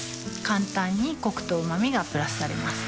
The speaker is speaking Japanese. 簡単にコクとうま味がプラスされます